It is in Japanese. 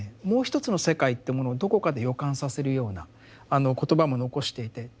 もう一つの世界ってものをどこかで予感させるような言葉も残していて。